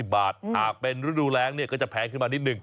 ๒๕๐บาทเป็นฤดูแร้งเนี่ยก็จะแพ้ขึ้นมานิดนึง